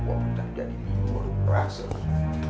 waktunya jadi imut rasanya